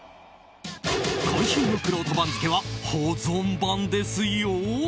今週のくろうと番付は保存版ですよ！